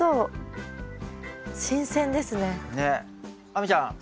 亜美ちゃん。